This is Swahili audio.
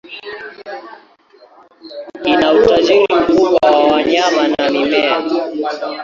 Ina utajiri mkubwa wa wanyama na mimea.